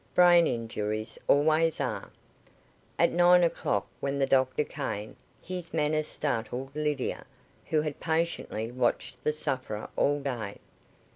"Brain injuries always are." At nine o'clock, when the doctor came, his manner startled Lydia, who had patiently watched the sufferer all day.